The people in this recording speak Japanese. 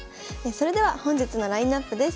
それでは本日のラインナップです。